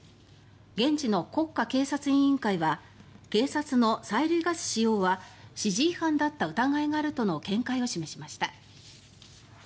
現地の国家警察委員会は警察の催涙ガス使用は指示違反だった疑いがあるとの見解を示しました。